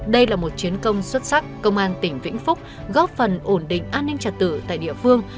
đây là một chiến công xuất sắc công an tỉnh vĩnh phúc góp phần ổn định an ninh trật tự tại địa phương